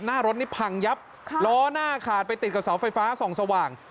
หน้ารถนี่พังยับล้อหน้าขาดไปติดกับเสาไฟฟ้าส่องสว่าง